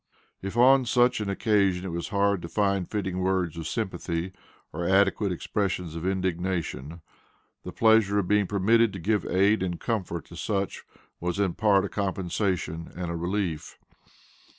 If on such an occasion it was hard to find fitting words of sympathy, or adequate expressions of indignation, the pleasure of being permitted to give aid and comfort to such was in part a compensation and a relief.